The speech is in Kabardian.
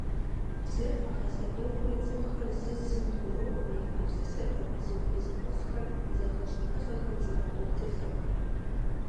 Бзэр къагъэсэбэпурэ цӀыхухэр зыр зым гуроӀуэ, я гупсысэхэр, зыхуей–зыхуэфӀхэр, зэхэщӀэныгъэхэр зэраӀуэтылӀэ.